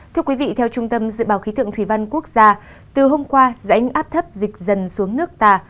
thưa quý vị theo trung tâm dự báo khí tượng thủy văn quốc gia từ hôm qua dãy áp thấp dịch dần xuống nước ta